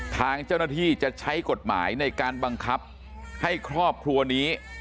ทางเจ้าหน้าที่จะใช้กฎหมายในการบังคับให้ครอบครัวนี้